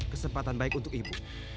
kesempatan baik untuk ibu